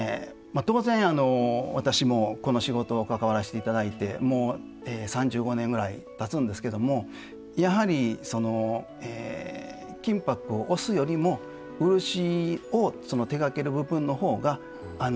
当然私もこの仕事関わらせて頂いてもう３５年ぐらいたつんですけどもやはり金箔を押すよりも漆を手がける部分の方が難しいんですよね。